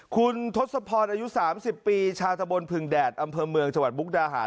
คุณทศพรอายุ๓๐ปีชาวตะบนผึงแดดอำเภอเมืองจังหวัดมุกดาหาร